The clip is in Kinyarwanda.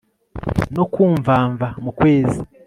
No ku mvamva mu kwezi